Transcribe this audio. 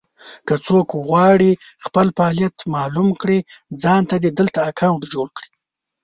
که څوک غواړي خپل فعالیت مالوم کړي ځانته دې دلته اکونټ جوړ کړي.